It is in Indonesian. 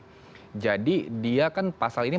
mencoba untuk menggeser pertanggung jawaban pelaku usaha